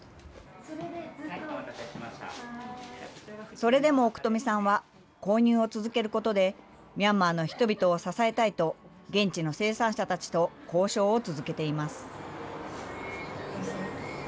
それでも奥富さんは、購入を続けることで、ミャンマーの人々を支えたいと、現地の生産者たちと交渉を続けています。